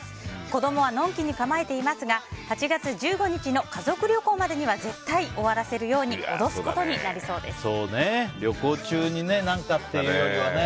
子供はのんきに構えていますが８月１５日の家族旅行までには絶対に終わらせるように旅行中に何かっていうよりはね。